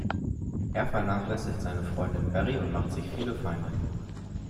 Er vernachlässigt seine Freundin Berri und macht sich viele Feinde.